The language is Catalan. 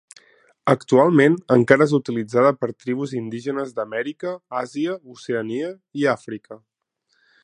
Actualment encara és utilitzada per tribus indígenes d'Amèrica, Àsia, Oceania i Àfrica.